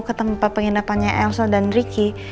ketemu pak pengindapannya elsa dan ricky